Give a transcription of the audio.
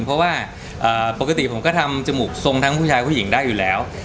เพราะว่าปกติผมก็ทำจมูกทรงทั้งผู้ชายผู้หญิงได้อยู่แล้ว